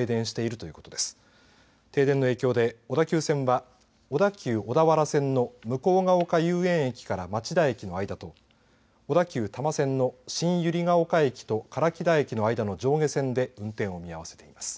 また停電の影響で小田急線は午後１０時２６分ごろから小田急小田原線の向ヶ丘遊園駅から町田駅の間と小田急多摩線の新百合ケ丘駅と唐木田駅の間の上下線で運転を見合わせています。